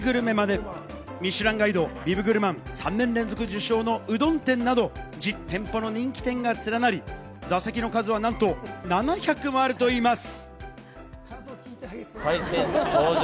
地元の味から全国のご当地グルメまで、『ミシュランガイド・ビブグルマン』３年連続受賞のうどん店など１０店舗の人気店がつらなり、座席の数はなんと７００もあるといいます。